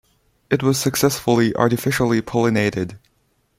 It was successfully artificially pollinated.